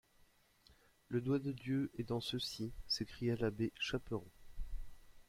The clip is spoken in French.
Le doigt de Dieu est dans ceci, s’écria l’abbé Chaperon.